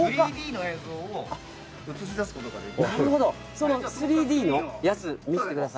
その３Ｄのやつ見せてください。